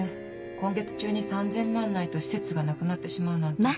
今月中に３０００万ないと施設がなくなってしまうなんて。